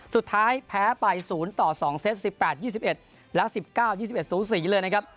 สุดท้ายแพ้ไป๐ต่อ๒เซต๑๘๒๑และ๑๙๒๑สูสีเลยนะครับ